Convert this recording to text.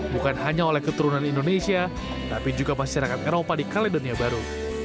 bukan hanya oleh keturunan indonesia tapi juga masyarakat eropa di kaledonia baru